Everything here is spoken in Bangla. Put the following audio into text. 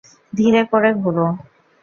ধীরে করে ঘুরো।